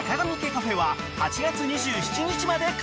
カフェは８月２７日まで開催］